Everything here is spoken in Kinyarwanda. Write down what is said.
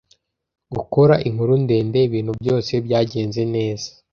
Gukora inkuru ndende, ibintu byose byagenze neza.